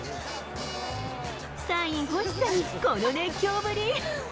サイン欲しさにこの熱狂ぶり。